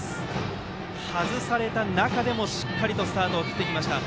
外された中でもしっかりとスタートを切ってきました。